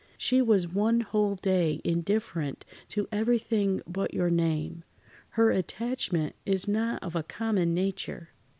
She was one whole day indifferent to everything but your name. Her attachment is not of a common nature."